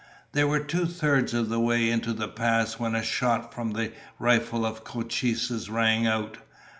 They were two thirds of the way into the pass when a shot from the rifle of Cochise rang out.